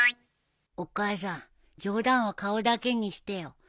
お母さん冗談は顔だけにしてよ。